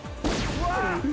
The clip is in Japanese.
うわ！